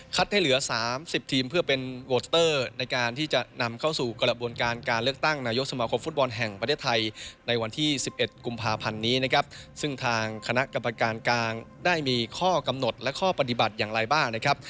คณะกรรมการกลางได้มีข้อกำหนดและข้อปฏิบัติอย่างไรบ้าง